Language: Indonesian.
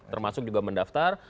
termasuk juga mendaftar